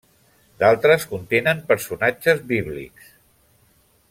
D'altres contenen personatges bíblics.